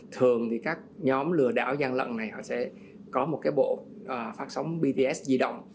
thường thì các nhóm lừa đảo gian lận này họ sẽ có một cái bộ phát sóng bts di động